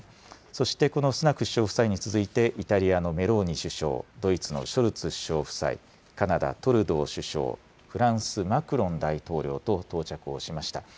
そしてこのスナク首相夫妻に続いて、イタリアのメローニ首相、ドイツのショルツ首相夫妻、カナダ、トルドー首相、フランス、マクロン大統領と到着をしました。